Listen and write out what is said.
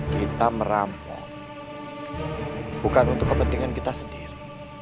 kita merampok bukan untuk kepentingan kita sendiri